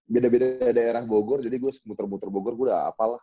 beda beda daerah bogor jadi gue seputar putar bogor gue udah hafal lah